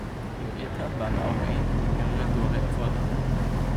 Im Etter waren auch ein oder mehrere Tore erforderlich.